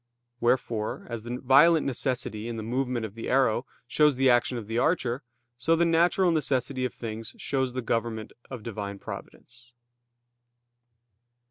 Wherefore, as the violent necessity in the movement of the arrow shows the action of the archer, so the natural necessity of things shows the government of Divine Providence.